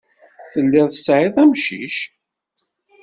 Telliḍ tesɛiḍ amcic.